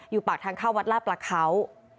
ปากทางเข้าวัดลาดประเขา